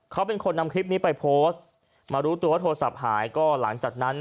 เขาเป็นคนนำคลิปนี้ไปโพสต์มารู้ตัวว่าโทรศัพท์หายก็หลังจากนั้น